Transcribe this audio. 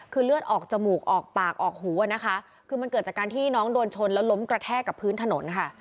คือเลือดออกจมูกออกปากออกหูอะนะคะคือมันเกิดจากการที่น้องโดนชนแล้วล้มกระแทกกับพื้นถนนค่ะ